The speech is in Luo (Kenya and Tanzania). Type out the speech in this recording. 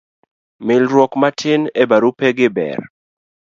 milruok matin e barupe gi ber